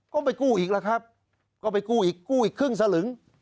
ก็ไม่กู้อีกแล้วครับก็ไปกู้อีกกู้อีกครึ่งสลึง